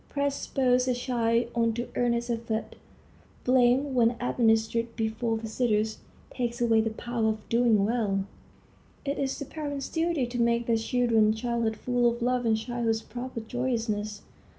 Praise spurs a child on to earnest effort; blame, when administered before visitors, takes away the power of doing well. It is the parents' duty to make their children's childhood full of love and childhood's proper joyousness.